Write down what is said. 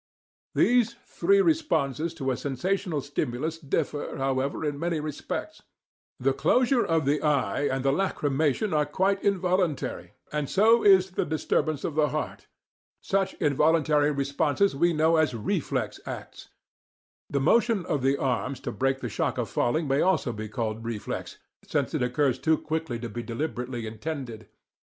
"These three responses to a sensational stimulus differ, however, in many respects. The closure of the eye and the lachrymation are quite involuntary, and so is the disturbance of the heart. Such involuntary responses we know as 'reflex' acts. The motion of the arms to break the shock of falling may also be called reflex, since it occurs too quickly to be deliberately intended.